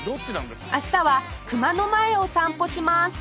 明日は熊野前を散歩します